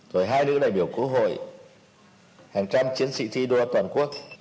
rồi hai nữ đại biểu quốc hội hàng trăm chiến sĩ thi đua toàn quốc